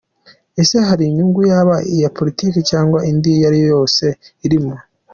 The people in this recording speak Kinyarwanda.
Ese hari inyungu yaba iya politiki cyangwa indi iyo ari yo yose irimo?